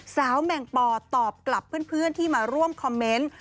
แหม่งปอตอบกลับเพื่อนที่มาร่วมคอมเมนต์